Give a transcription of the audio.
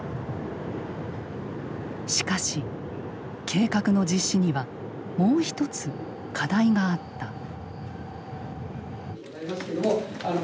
しかし計画の実施にはもう一つ課題があった。